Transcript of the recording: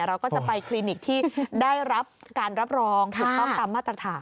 เราก็จะไปคลินิกที่ได้รับการรับรองถูกต้องตามมาตรฐาน